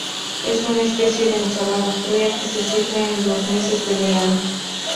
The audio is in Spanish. Es una especie de ensalada fría, que se sirve en los meses de verano.